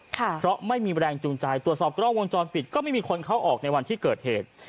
เพราะไม่มีแรงจูงใจตรวจสอบกล้องวงจรปิดก็ไม่มีคนเข้าออกในวันที่เกิดเหตุ